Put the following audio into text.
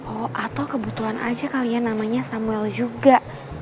oh atau kebutuhan aja kalian namanya samuel juga